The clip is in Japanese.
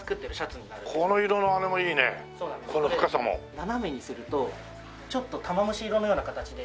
斜めにするとちょっと玉虫色のような形で。